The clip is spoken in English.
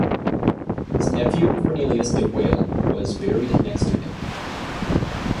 His nephew Cornelis de Wael was buried next to him.